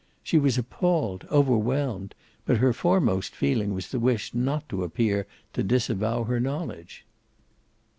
She was appalled, overwhelmed; but her foremost feeling was the wish not to appear to disavow her knowledge.